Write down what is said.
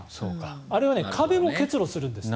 あれは壁も結露するんですって。